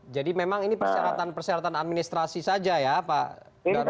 jadi memang ini persyaratan persyaratan administrasi saja ya pak darmo ya